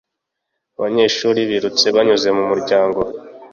Abanyeshuri birutse banyuze mu muryango.